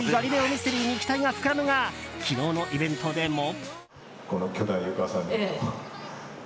ミステリーに期待が膨らむが昨日のイベントでも。